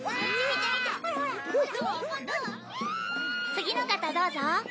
次の方どうぞ。